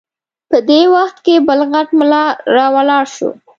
په دې وخت کې بل غټ ملا راولاړ شو.